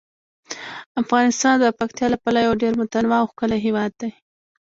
افغانستان د پکتیکا له پلوه یو ډیر متنوع او ښکلی هیواد دی.